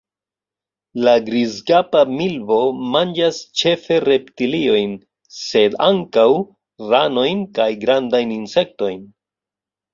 La Grizkapa milvo manĝas ĉefe reptiliojn, sed ankaŭ ranojn kaj grandajn insektojn.